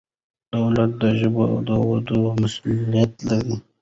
دولت د ژبې د ودې مسؤلیت لري.